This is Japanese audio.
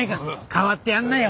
かわってやんなよ。